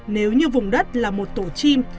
nếu như vùng đất là một tổ chim